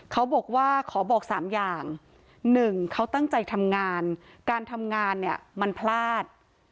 เขาบอกว่าขอบอก๓อย่างหนึ่งเขาตั้งใจทำงานการทำงานเนี่ยมันพลาด